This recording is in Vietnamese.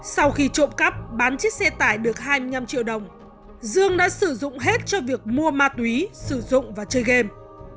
sau khi trộm cắp bán chiếc xe tải được hai mươi năm triệu đồng dương đã sử dụng hết cho việc mua ma túy sử dụng và chơi game